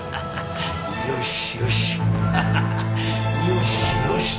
よしよし。